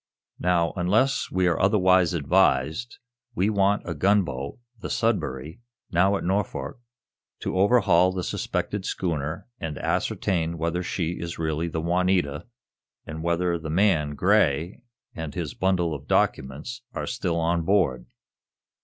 Now, unless we are otherwise advised, we want a gunboat, the 'Sudbury,' now at Norfolk, to overhaul the suspected schooner and ascertain whether she is really the 'Juanita,' and whether the man, Gray, and his bundle of documents are still on board.